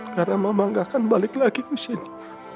karena mama gak akan balik lagi ke sini